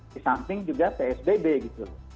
disamping juga psbb gitu